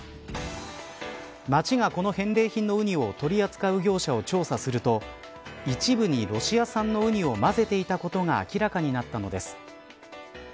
町が、この返礼品のウニを取り扱う業者を調査すると一部に、ロシア産のウニをまぜていたことが明らかになったのです。